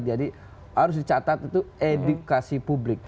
jadi harus dicatat itu edukasi publik